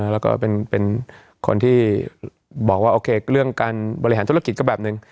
แล้วก็เป็นคนที่บอกว่าโอเคเรื่องการบริหารธุรกิจก็แบบหนึ่ง